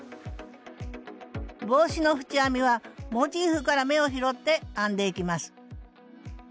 帽子の縁編みはモチーフから目を拾って編んでいきます